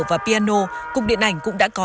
và piano cục điện ảnh cũng đã có